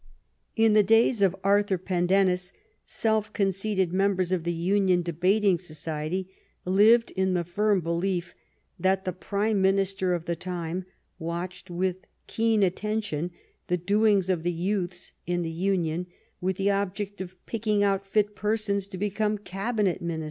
In the days of Arthur Pendennis self conceited mem bers of the Union Debating Society lived in the firm belief that the Prime Minister of the time watched with keen attention the doings of the youths in the Union, with the object of picking out fit persons to become Cabinet Ministers.